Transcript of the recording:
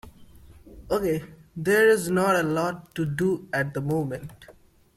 Okay, there is not a lot to do at the moment.